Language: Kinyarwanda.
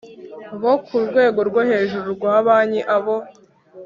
bo ku rwego rwo hejuru rwa banki Abo